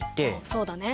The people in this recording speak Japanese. そうだね。